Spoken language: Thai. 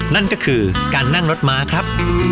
นั่นก็คือการนั่งรถม้าครับ